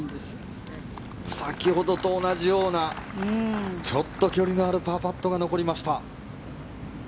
先ほどと同じようなちょっと距離のあるパーパットが残りました。